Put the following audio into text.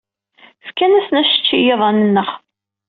Fkan-asen acečči i yiḍan-nneɣ.